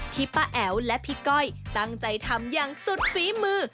ป้าแอ๋วและพี่ก้อยตั้งใจทำอย่างสุดฝีมือ